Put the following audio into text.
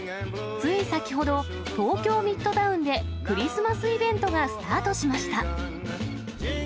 つい先ほど、東京ミッドタウンでクリスマスイベントがスタートしました。